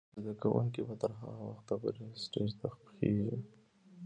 زده کوونکې به تر هغه وخته پورې سټیج ته خیژي.